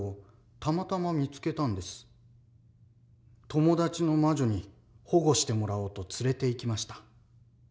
友達の魔女に保護してもらおうと連れていきました。